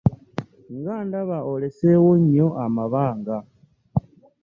Ngandaba oleseewo nnyo amabanga.